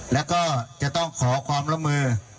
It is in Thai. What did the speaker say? และก็จะต้องขอความละเมอ